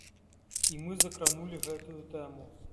І мы закранулі гэтую тэму.